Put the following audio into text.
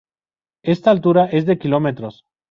Esta altura es de kilómetros.